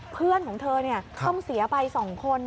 เพื่อนของเธอต้องเสียไป๒คน